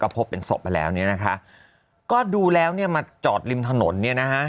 พบเป็นศพมาแล้วเนี่ยนะคะก็ดูแล้วเนี่ยมาจอดริมถนนเนี่ยนะฮะ